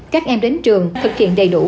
các em đến trường thực hiện đầy đủ